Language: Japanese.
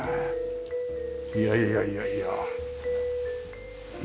いやいやいやいや。